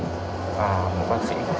à một bác sĩ